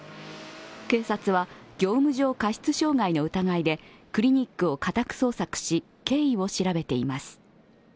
警察は業務上過失傷害の疑いでクリニックを家宅捜索し経緯を調べています。